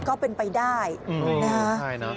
ก็เป็นไปได้นะฮะ